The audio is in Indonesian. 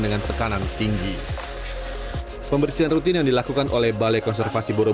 di antaranya nanti pengunjung kalau sudah boleh naik ke struktur ya